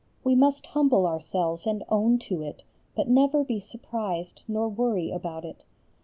We must humble ourselves and own to it, but never be surprised nor worry about it.